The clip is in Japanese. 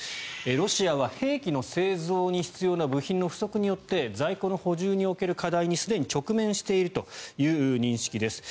ロシアは兵器の製造に必要な部品の不足によって在庫の補充における課題にすでに直面しているという認識です。